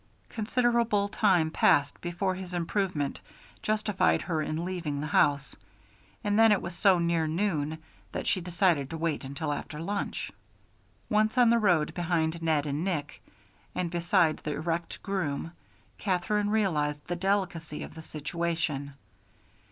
Considerable time passed before his improvement justified her in leaving the house, and then it was so near noon that she decided to wait until after lunch. Once on the road behind Ned and Nick, and beside the erect groom, Katherine realized the delicacy of the situation.